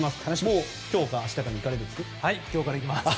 もう今日か明日か行かれるんですね。